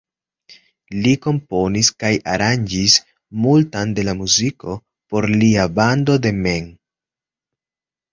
Li komponis kaj aranĝis multan de la muziko por lia bando de mem.